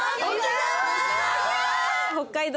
北海道！